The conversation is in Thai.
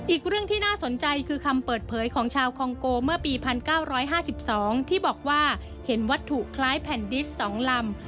อีกเรื่องที่น่าสนใจคือคำเปิดเผยของชาวคองโกเมื่อปี๑๙๕๒ที่บอกว่าเห็นวัตถุคล้ายแผ่นดิส๒ลำ